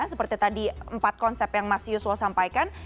seperti tadi empat konsep yang mas yusuf sampaikan